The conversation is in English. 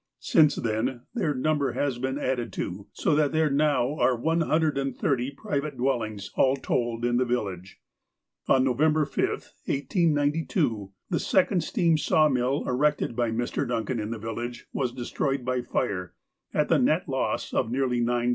Since then, their number has been added to, so that there now are one hundred and thirty private dwell ings, all told, in the village. On K'ovember 5, 1892, the second steam sawmill erected by Mr. Duncan in the village was destroyed by fire, at a net loss of nearly $9,000.